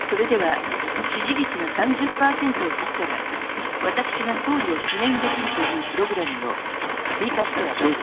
それでは支持率が３０％を切ったら私が総理を罷免できるというプログラムを追加してはどうでしょう。